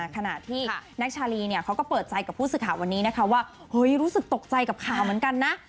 ขณะที่แน็กชาลีเขาก็เปิดใจกับผู้สื่อข่าววันนี้นะคะว่าเฮ้ยรู้สึกตกใจกับข่าวเหมือนกันนะ